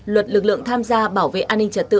luật lực lượng tham gia bảo vệ an ninh trật tự